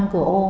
năm cửa ô